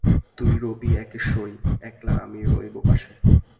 তুই রবি একেশ্বরী, একলা আমি রইব পাশে।